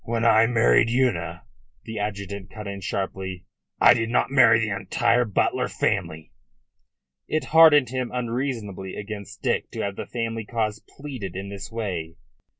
"When I married Una," the adjutant cut in sharply, "I did not marry the entire Butler family." It hardened him unreasonably against Dick to have the family cause pleaded in this way.